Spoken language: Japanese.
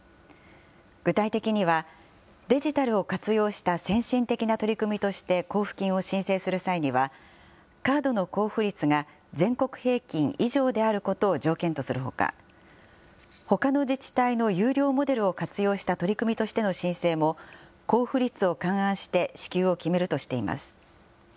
具体的には、デジタルを活用した先進的な取り組みとして交付金を申請する際には、カードの交付率が全国平均以上であることを条件とするほか、ほかの自治体の優良モデルを活用した取り組みとしての申請も、交付率を勘案して支給を決めるとしています。